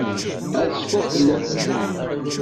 Ad cfuɣ fell-akent.